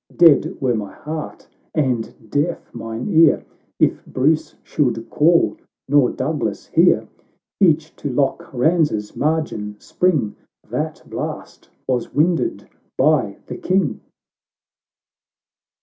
Bead were my heart, and deaf mine ear, If Bruce should call, nor Douglas hear ! Each to Loch ltanza's margin spring ; That blast was winded by the King